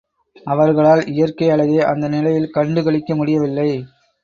அவர்களால் இயற்கை அழகை அந்த நிலையில் கண்டு களிக்க முடியவில்லை.